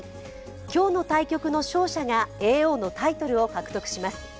今日の対局の勝者が叡王のタイトルを獲得します。